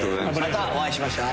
またお会いしましょう。